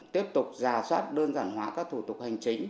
tiếp tục giả soát đơn giản hóa các thủ tục hành chính